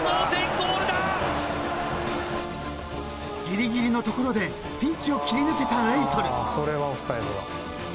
［ぎりぎりのところでピンチを切り抜けたレイソル］